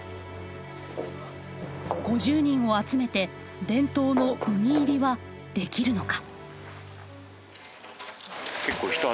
５０人を集めて伝統の海入りはできるのか。